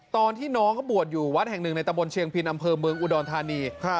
ตอนที่น้องเขาบวชอยู่วัดแห่งหนึ่งในตะบนเชียงพินอำเภอเมืองอุดรธานี